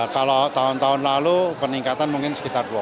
kalau tahun tahun lalu peningkatan mungkin sekitar